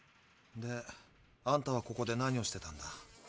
であんたはここで何をしてたんだ？